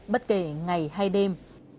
bất kể ngày hay đêm